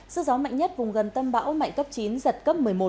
sức gió mạnh nhất vùng gần tâm bão mạnh cấp chín giật cấp một mươi một